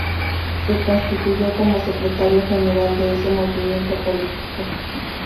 Se constituyó como Secretario General de ese movimiento político.